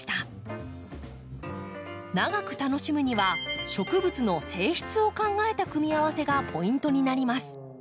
長く楽しむには植物の性質を考えた組み合わせがポイントになります。